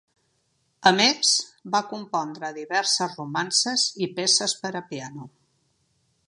A més va compondre diverses romances i peces per a piano.